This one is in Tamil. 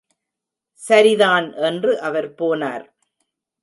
சரிதான் என்று அவர் போனார்.